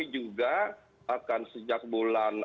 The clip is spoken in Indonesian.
juga bahkan sejak bulan